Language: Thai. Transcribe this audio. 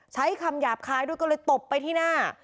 ใช้คำหยาบคายด้วยก็เลยตบไปที่หน้า